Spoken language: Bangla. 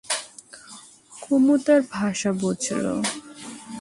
কুমু তার ভাষা বুঝল।